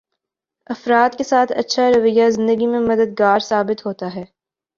افراد کے ساتھ اچھا رویہ زندگی میں مددگار ثابت ہوتا ہے